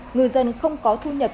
người dân không có thu nhập